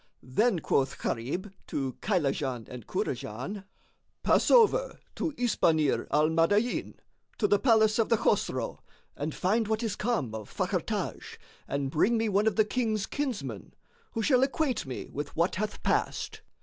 Then quoth Gharib to Kaylajan and Kurajan, "Pass over to Isbánír al Madáin, to the palace of the Chosroe, and find what is come of Fakhr Taj and bring me one of the King's kinsmen, who shall acquaint me with what hath passed."